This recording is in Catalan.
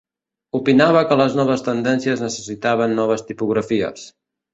Opinava que les noves tendències necessitaven noves tipografies.